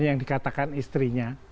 yang dikatakan istrinya